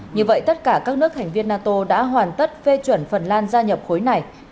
như vậy tất cả các nước thành viên nato đã hoàn tất phê chuẩn phần lan gia nhập khối này